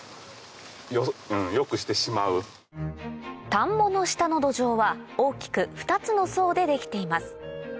田んぼの下の土壌は大きく２つの層で出来ています